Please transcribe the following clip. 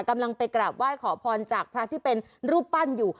กำลังไปกราบไหว้ขอพรจากพระที่เป็นรูปปั้นอยู่